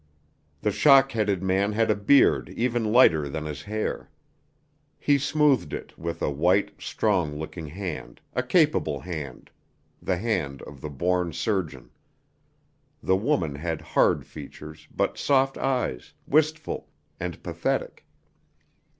The shock headed man had a beard even lighter than his hair. He smoothed it with a white, strong looking hand, a capable hand, the hand of the born surgeon. The woman had hard features, but soft eyes, wistful, and pathetic.